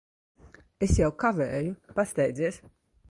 Es jau kavēju. Pasteidzies!